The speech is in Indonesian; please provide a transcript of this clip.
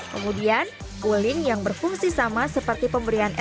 kemudian bulin yang berfungsi sama seperti pemberian s balance